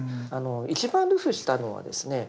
一番流布したのはですね